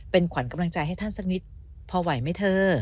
เป็นขวัญกำลังใจให้ท่านสักนิดพอไหวไหมเธอ